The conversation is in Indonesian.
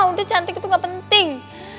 udah cantik itu gak penting